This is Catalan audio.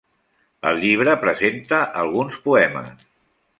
El llibre presenta alguns poemes.